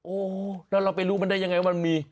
โอ้โหแล้วเราไปรู้มันได้ยังไงว่ามันมี